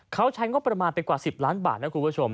เขาใช้งบประมาณไปกว่า๑๐ล้านบาทนะคุณผู้ชม